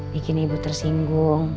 bikin ibu tersinggung